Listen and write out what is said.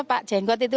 pak jenggot itu